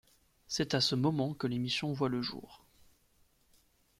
C'est à ce moment que l'émission voit le jour.